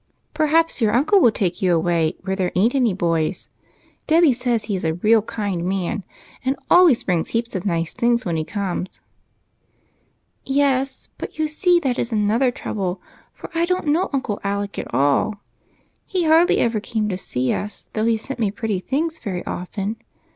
Perhaps your uncle will take you away where there ain't any boys. Debby says he is a real kind man, and always brings heaps of nice things when he comes." " Yes, but you see that is another trouble, for I don't know Uncle Alec at all. He hardly ever came to see us, though he sent me pretty things very often.